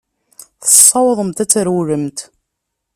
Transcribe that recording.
Tessawḍemt ad trewlemt.